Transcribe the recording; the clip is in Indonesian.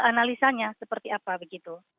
analisanya seperti apa begitu